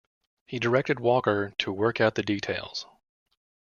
He directed Walker to work out the details.